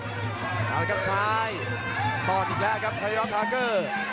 มาแล้วครับซ้ายตอนอีกแล้วกับคารีลอฟทัรเกอร์